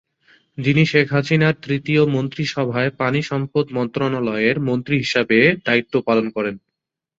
যিনি শেখ হাসিনার তৃতীয় মন্ত্রীসভায় পানি সম্পদ মন্ত্রণালয়ের মন্ত্রী হিসেবে দায়িত্ব পালন করেন।